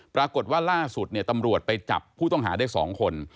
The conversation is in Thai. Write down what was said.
ปรากฏว่าล่าสุดตำรวจไปจับผู้ต้องหาได้๒คน